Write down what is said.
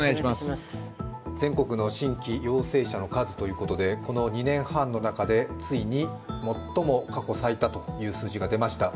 全国の新規陽性者の数ということで、この２年半の中でついに最も過去最多という数字が出ました。